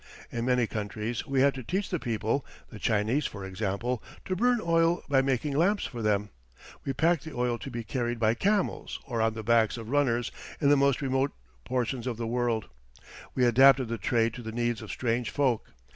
In many countries we had to teach the people the Chinese, for example to burn oil by making lamps for them; we packed the oil to be carried by camels or on the backs of runners in the most remote portions of the world; we adapted the trade to the needs of strange folk.